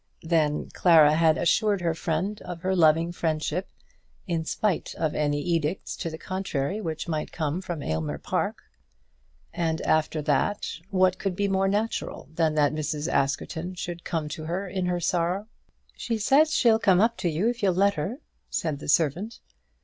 Then Clara had assured her friend of her loving friendship in spite of any edicts to the contrary which might come from Aylmer Park; and after that what could be more natural than that Mrs. Askerton should come to her in her sorrow. "She says she'll come up to you if you'll let her," said the servant.